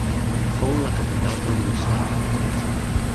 Fou la capital provincial.